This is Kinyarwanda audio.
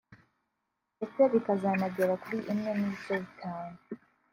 ndetse bikazanagera kuri imwe n’ibice bitanu